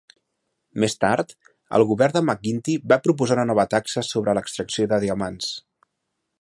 Més tard, el govern de McGuinty va proposar una nova taxa sobre l'extracció de diamants.